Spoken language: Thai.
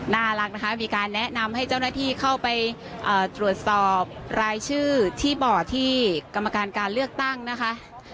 น่ารักนะคะมีการแนะนำให้เจ้าหน้าที่เข้าไปตรวจสอบรายชื่อที่บ่อที่กรรมการการเลือกตั้งนะคะ